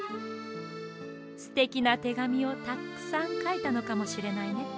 すてきなてがみをたっくさんかいたのかもしれないね。